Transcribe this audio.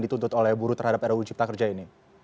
dituntut oleh buruh terhadap era uji peta kerja ini